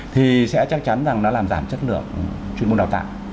thì sẽ chắc chắn rằng nó làm giảm chất lượng chuyên môn đào tạo